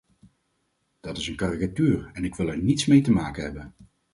Dat is een karikatuur, en ik wil er niets mee te maken hebben.